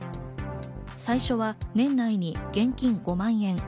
最初は年内に現金５万円。